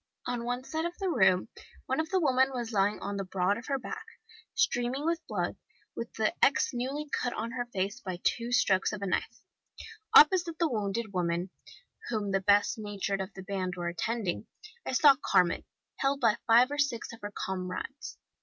On one side of the room one of the women was lying on the broad of her back, streaming with blood, with an X newly cut on her face by two strokes of a knife. Opposite the wounded woman, whom the best natured of the band were attending, I saw Carmen, held by five or six of her comrades.